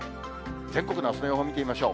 全国のあすの予報を見てみましょう。